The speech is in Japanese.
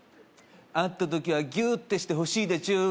「会った時はギュッてしてほしいでちゅ」